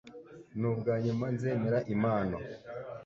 Nubwa nyuma nzemera impano.